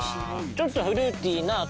ちょっとフルーティーな後味。